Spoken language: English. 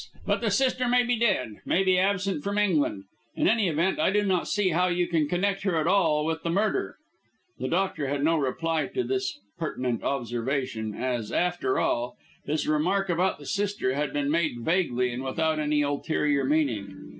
But the sister may be dead, may be absent from England. In any event, I do not see how you can connect her at all with the murder." The doctor had no reply to this pertinent observation, as, after all, his remark about the sister had been made vaguely and without any ulterior meaning.